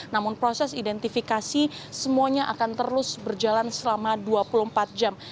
namun proses identifikasi semuanya akan terus berjalan selama dua puluh empat jam